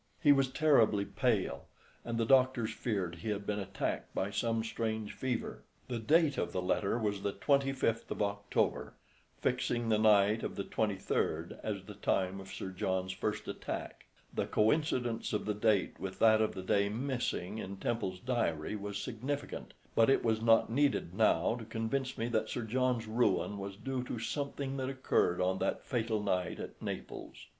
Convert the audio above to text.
He was terribly pale, and the doctors feared he had been attacked by some strange fever. The date of the letter was the 25th of October, fixing the night of the 23d as the time of Sir John's first attack. The coincidence of the date with that of the day missing in Temple's diary was significant, but it was not needed now to convince me that Sir John's ruin was due to something that occurred on that fatal night at Naples.